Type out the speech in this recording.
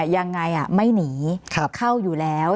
ยังไงไม่หนีเข้าอยู่แล้ว